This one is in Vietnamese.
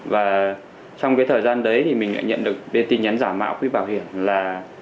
và trong cái thời gian đấy thì mình nhận được tin nhắn giả mạo quỹ bảo hiểm là